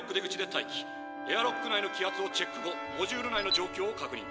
エアロック内の気圧をチェック後モジュール内の状況を確認。